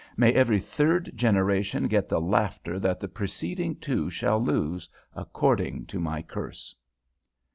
May every third generation get the laughter that the preceding two shall lose, according to my curse!'